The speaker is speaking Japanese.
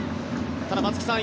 ただ、松木さん